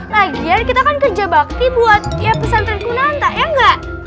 lagian kita kan kerja bakti buat pesantren kunanta ya enggak